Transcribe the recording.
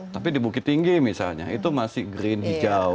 tapi di bukit tinggi misalnya itu masih green hijau